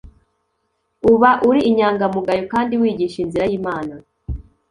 uba uri inyangamugayo kandi wigisha inzira y Imana